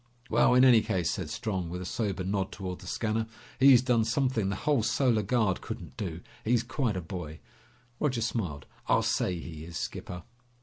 "Well, in any case," said Strong with a sober nod toward the scanner, "he's done something the whole Solar Guard couldn't do. He's quite a boy!" Roger smiled. "I'll say he is, skipper!"